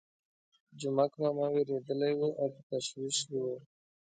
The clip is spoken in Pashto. جومک ماما وېرېدلی وو او په تشویش کې وو.